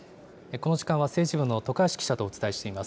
この時間は政治部の徳橋記者とお伝えしています。